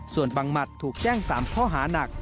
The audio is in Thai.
ส่วนบังหมัดถูกแจ้ง๓ข้อหานัก